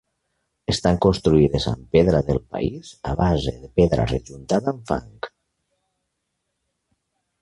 Estan construïdes amb pedra del país, a base de pedra rejuntada amb fang.